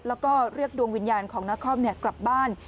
แล้วก็เรียกดวงวิญญาณของนาคอมกลับบ้าน